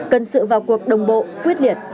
cần sự vào cuộc đồng bộ quyết liệt